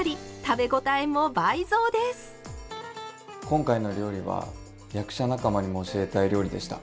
今回の料理は役者仲間にも教えたい料理でした。